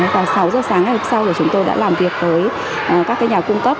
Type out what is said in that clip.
khoảng sáu giờ sáng ngày hôm sau thì chúng tôi đã làm việc với các nhà cung cấp